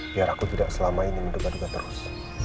biar aku tidak selama ini menduga duga terus